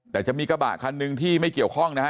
แต่จะมีกระบะคันหนึ่งที่ไม่เกี่ยวข้องนะฮะ